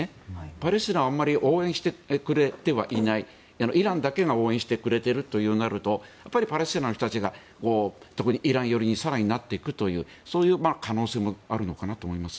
パレスチナはあまり応援してくれてはいないイランだけが応援してくれているとなるとパレスチナの人たちがイラン寄りに更になっていくというそういう可能性もあるのかなと思います。